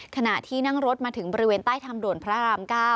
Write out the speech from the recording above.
ขณะที่นั่งรถมาถึงบริเวณใต้ทางด่วนพระราม๙